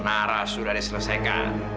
naras sudah diselesaikan